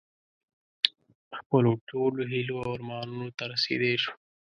خپلو ټولو هیلو او ارمانونو ته رسېدی شو.